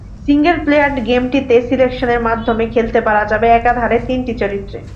Single player গেমটিতে selection এর মাধ্যমে খেলতে পারা যাবে একাধারে তিনটি চরিত্রে।